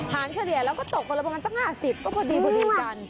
หารเขียนแล้วก็ตกกันแล้วกันสัก๕๐ก็พอดีกัน